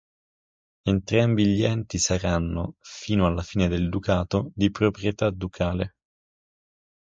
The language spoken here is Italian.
Entrambi gli enti saranno, fino alla fine del ducato, di proprietà ducale.